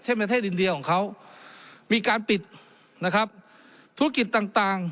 ประเทศอินเดียของเขามีการปิดนะครับธุรกิจต่างต่าง